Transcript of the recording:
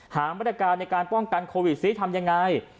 หามาตรการในการป้องกันโควิดซิทำยังไง